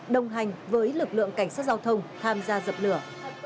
đồng hành với lực lượng cảnh sát giao thông tham gia dập lửa